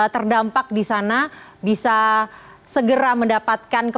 terima kasih pak